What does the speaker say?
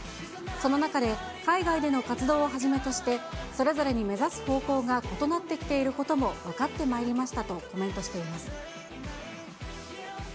その中で、海外での活動をはじめとしてそれぞれに目指す方向が異なってきていることも分かってまいりましたとコメントしています。